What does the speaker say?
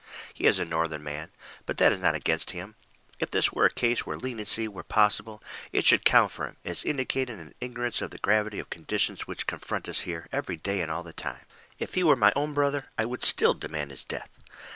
"He is a Northern man. But that is not against him. If this were a case where leniency were possible, it should count for him, as indicating an ignorance of the gravity of conditions which confront us here, every day and all the time. If he were my own brother, I would still demand his death.